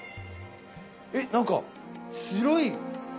えっ何か白い。